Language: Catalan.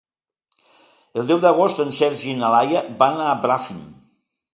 El deu d'agost en Sergi i na Laia van a Bràfim.